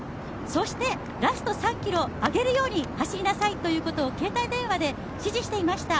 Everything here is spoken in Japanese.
そして、ラスト３ｋｍ上げるように走りなさいということを携帯電話で指示していました。